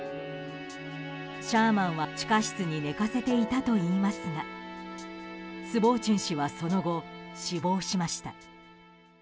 シャーマンは、地下室に寝かせていたといいますがスボーチン氏はその後、死亡しました。